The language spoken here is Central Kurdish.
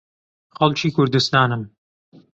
خەڵکی کوردستانم.